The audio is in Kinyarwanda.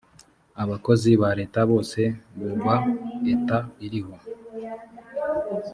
abakozi ba leta bose bubal eta iriho.